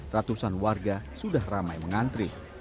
ratusan warga sudah ramai mengantri